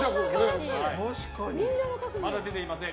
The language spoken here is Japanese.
まだ出ていません。